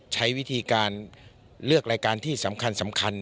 ใช้วิธีการเลือกรายการที่สำคัญ